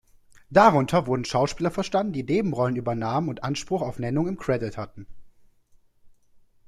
Darunter wurden Schauspieler verstanden, die Nebenrollen übernahmen und Anspruch auf Nennung im "Credit" hatten.